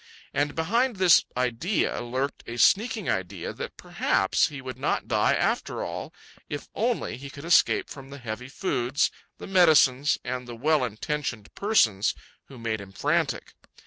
And behind this idea lurked a sneaking idea that perhaps he would not die after all if only he could escape from the heavy foods, the medicines, and the well intentioned persons who made him frantic.